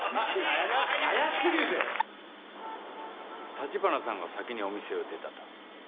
橘さんが先にお店を出たと。